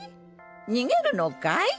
逃げるのかい？